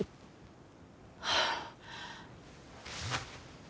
はあ。